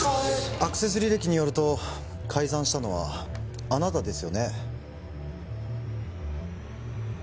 アクセス履歴によると改ざんしたのはあなたですよね